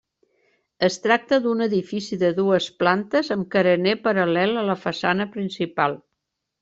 Es tracta d'un edifici de dues plantes amb carener paral·lel a la façana principal.